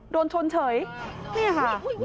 โดนชนเฉยนี่ค่ะ